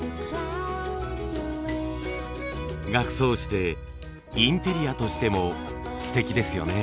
額装してインテリアとしてもすてきですよね。